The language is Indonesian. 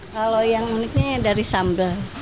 kalau yang uniknya dari sambal